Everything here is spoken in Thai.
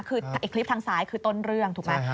คือคลิปทางซ้ายคือต้นเรื่องถูกไหม